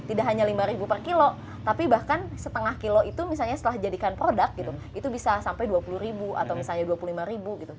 tidak hanya lima ribu per kilo tapi bahkan setengah kilo itu misalnya setelah jadikan produk gitu itu bisa sampai dua puluh ribu atau misalnya dua puluh lima ribu gitu